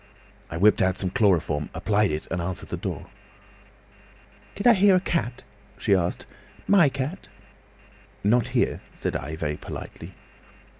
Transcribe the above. I whipped out some chloroform, applied it, and answered the door. 'Did I hear a cat?' she asked. 'My cat?' 'Not here,' said I, very politely.